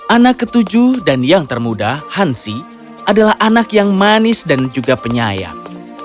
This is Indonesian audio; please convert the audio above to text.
anak ketujuh dan yang termuda hansi adalah anak yang manis dan juga penyayang